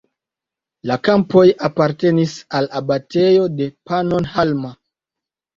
La kampoj apartenis al abatejo de Pannonhalma.